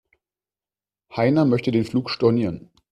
Heiner möchte den Flug stornieren.